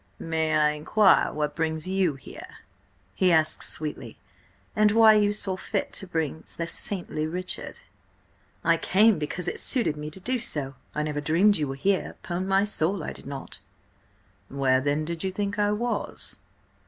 "May I inquire what brings you here?" he asked sweetly. "And why you saw fit to bring the saintly Richard?" "I came because it suited me to do so. I never dreamed you were here— 'Pon my soul, I did not!" "Where then did you think I was?"